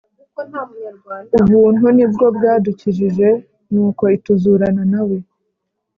Ubuntu nibwo bwa dukijije: Nuko ituzurana nawe,